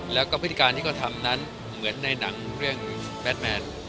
แล้วก็พฤติการที่เขาทำนั้นเหมือนในหนังเรื่องแบทแมน